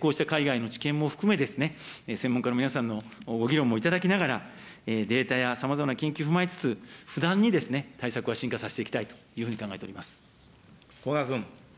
こうした海外の治験も含め、専門家の皆さんのご議論もいただきながら、データやさまざまな経験を踏まえつつ、不断に対策を進化させていきたいというふうに考古賀君。